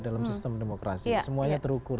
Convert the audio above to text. dalam sistem demokrasi semuanya terukur